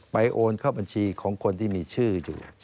โอนเข้าบัญชีของคนที่มีชื่ออยู่